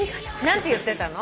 何て言ってたの？